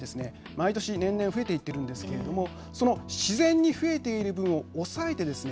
毎年、年々増えていっているんですけれどもその自然に増えている分を抑えてですね